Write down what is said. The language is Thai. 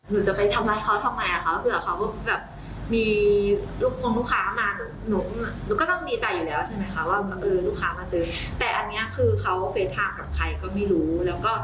หนูจะไปทำอะไรเขาทำอะไรค่ะเผื่อเขาแบบมีลูกค้องลูกค้ามา